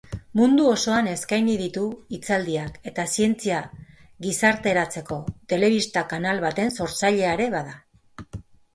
Mundu osoan eskaini ditu hitzaldiak eta zientzia gizarteratzeko telebista-kanal baten sortzailea ere bada.